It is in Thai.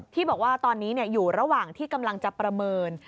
ที่บอกว่าตอนนี้อยู่ระหว่างที่กำลังจะประเมิน